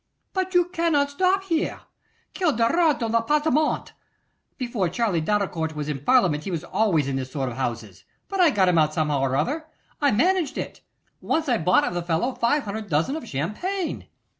'But you cannot stop here. Quel drôle appartement! Before Charley Doricourt was in Parliament he was always in this sort of houses, but I got him out somehow or other; I managed it. Once I bought of the fellow five hundred dozen of champagne.